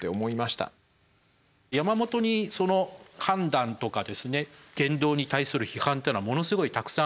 山本にその判断とかですね言動に対する批判っていうのはものすごいたくさんありますとですね